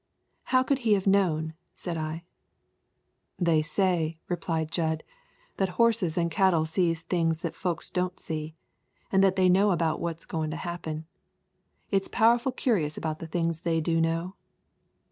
"How could he have known?" said I. "They say," replied Jud, "that horses an' cattle sees things that folks don't see, an' that they know about what's goin' to happen. It's powerful curious about the things they do know."